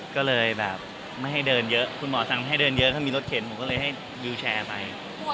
กลัวจะเป็นอย่างแบบเข้ามาแบบอันตรายไหม